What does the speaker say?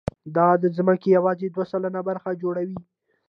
دا د ځمکې یواځې دوه سلنه برخه جوړوي.